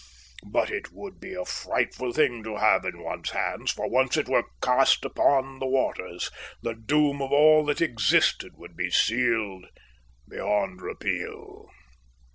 But it would be a frightful thing to have in one's hands; for once it were cast upon the waters, the doom of all that existed would be sealed beyond repeal."